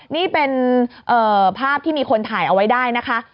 นี่เป็นภาพที่มีคนถ่ายเอาไว้ได้นะคะ